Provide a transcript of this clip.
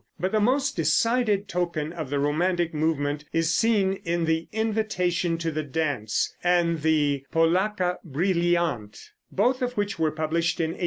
But the most decided token of the romantic movement is seen in the "Invitation to the Dance," and the "Polacca Brilliant," both of which were published in 1819.